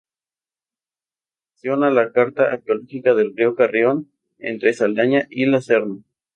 Aportación a la Carta Arqueológica del Río Carrión entre Saldaña y La Serna.